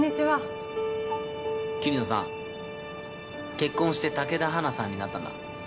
結婚して武田花さんになったんだ。